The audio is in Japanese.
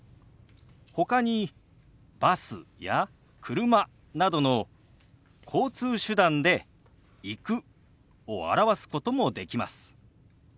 ほかにバスや車などの交通手段で「行く」を表すこともできます。